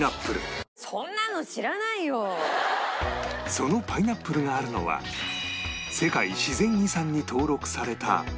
そのパイナップルがあるのは世界自然遺産に登録された